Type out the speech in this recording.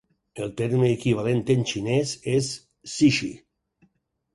El terme equivalent en xinès és "cishi".